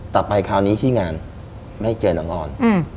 ไปคราวนี้ที่งานไม่เจอน้องออน